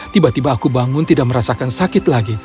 tiba tiba aku bangun tidak merasakan sakit lagi